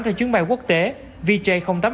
trong chuyến bay quốc tế vj tám mươi hai